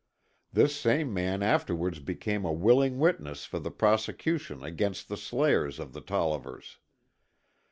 This same man afterwards became a willing witness for the prosecution against the slayers of the Tollivers.